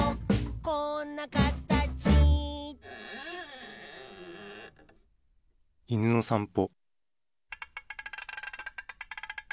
「こんなかたち」いぬのさんぽ。